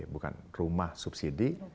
bukan rumah subsidi